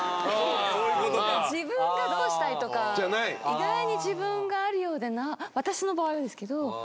意外に自分があるようで私の場合はですけど。